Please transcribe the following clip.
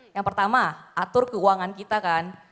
yang pertama atur keuangan kita kan